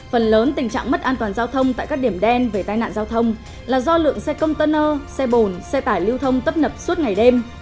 phần lớn tình trạng mất an toàn giao thông tại các điểm đen về tai nạn giao thông là do lượng xe container xe bồn xe tải lưu thông tấp nập suốt ngày đêm